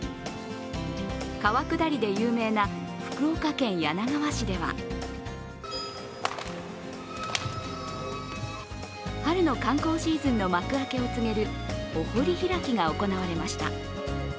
川下りで有名な福岡県柳川市では春の観光シーズンの幕開けを告げるお堀開きが行われました。